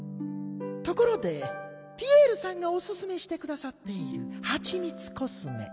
ところでピエールさんがおすすめしてくださっているハチミツコスメ。